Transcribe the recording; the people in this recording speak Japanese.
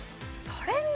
「トレンド」